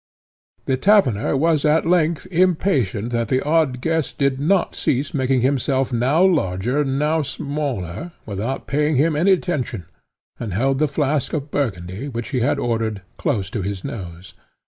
_The taverner was at length impatient that the odd guest did not cease making himself now larger now smaller, without paying him any attention, and held the flask of Burgundy, which he had ordered, close to his nose.